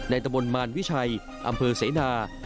ตะบนมารวิชัยอำเภอเสนา